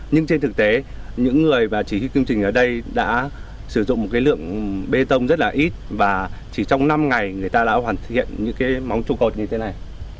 nhưng trên thực tế những người và chỉ huy công trình ở đây đã sử dụng một cái lượng bê tông rất là ít và chỉ trong năm ngày người ta đã hoàn thiện những cái móng trụ cột như thế này